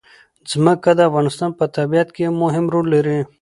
ځمکه د افغانستان په طبیعت کې یو مهم رول لري.